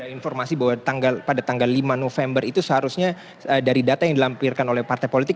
informasi bahwa pada tanggal lima november itu seharusnya dari data yang dilampirkan oleh partai politik